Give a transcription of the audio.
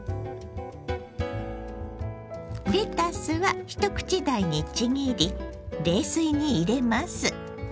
レタスは一口大にちぎり冷水に入れます。